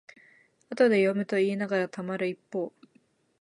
後で読むといいながらたまる一方